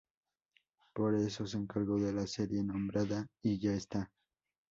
Por eso se encargó de la serie nombrada ¡Y ya está!